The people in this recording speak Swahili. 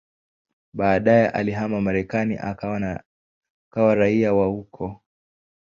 Baadaye alihamia Marekani akawa raia wa huko.